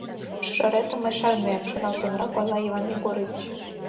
— Шӱжаретым мый шарнем, — шоналтенрак ойла Иван Егорович.